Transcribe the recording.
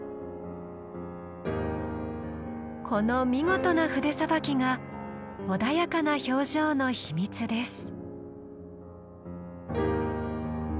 この見事な筆さばきが穏やかな表情の秘密です。